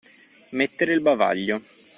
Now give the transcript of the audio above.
Mettere il bavaglio.